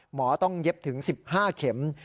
หมอต้องเย็บถึง๑๕เข็ม